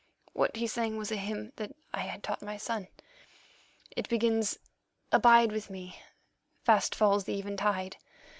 What he sang was a hymn that I had taught my son. It begins: 'Abide with me, fast falls the eventide.